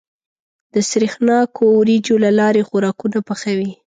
د سرېښناکو وريجو له لارې خوراکونه پخوي.